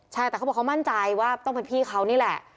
ใช่แต่เขาบอกเขามั่นใจว่าต้องเป็นพี่เขานี่แหละ